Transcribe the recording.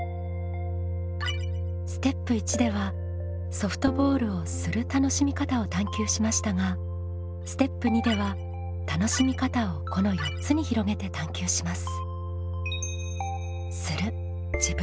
ステップ１ではソフトボールをする楽しみ方を探究しましたがステップ２では楽しみ方をこの４つに広げて探究します。